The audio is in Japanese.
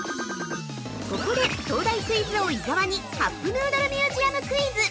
◆ここで、東大クイズ王・伊沢にカップヌードルミュージアムクイズ。